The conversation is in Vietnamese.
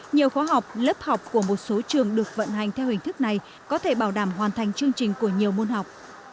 nhiều khóa học lớp học của một số trường được vận hành theo hình thức này có thể bảo đảm hoàn thành chương trình của nhiều môn học